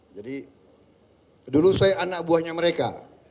jadi dulu saya anak buahnya mereka